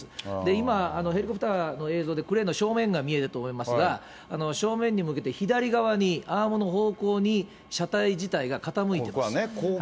今、ヘリコプターの映像でクレーンの正面が見えると思いますが、正面に向けて、左側に、アームの方向に車体自体が傾いてます。